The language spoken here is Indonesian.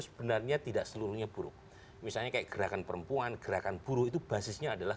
sebenarnya tidak seluruhnya buruk misalnya kayak gerakan perempuan gerakan buruh itu basisnya adalah